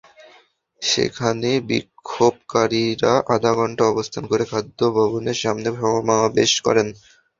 সেখানে বিক্ষোভকারীরা আধা ঘণ্টা অবস্থান করে খাদ্য ভবনের সামনে সমাবেশ করেন।